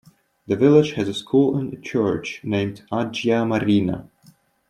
The village has a school and a church named Agia Marina.